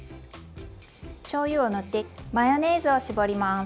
しょうゆを塗ってマヨネーズを絞ります。